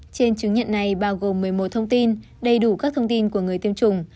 trên chứng nhận này bao gồm một mươi một thông tin đầy đủ các thông tin của người tiêm chủng